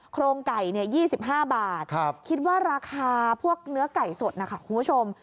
โครงไก่๒๕บาทคิดว่าราคาพวกเนื้อไก่สดนะคะคุณผู้ชม